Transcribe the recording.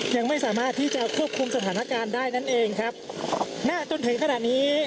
ยังไม่สามารถที่จะควบคุมสถานการณ์ได้นั่นเองครับณจนถึงขณะนี้